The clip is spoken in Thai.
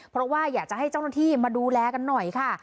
เพราะว่าอยากจะให้เจ้าหน้าที่มาดูแลกันหน่อยค่ะ